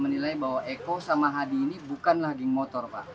menilai bahwa eko sama hadi ini bukanlah geng motor pak